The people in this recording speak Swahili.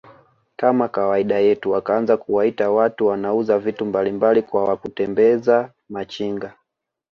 kama kawaida yetu wakaanza kuwaita watu wanauza vitu mbalimbali kwa kutembeza Machinga